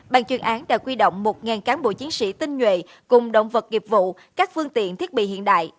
bàn chuyên án đã quy động một cán bộ chiến sĩ tinh nhuệ cùng động vật nghiệp vụ các phương tiện thiết bị hiện đại